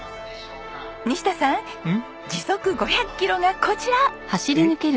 西田さん時速５００キロがこちら。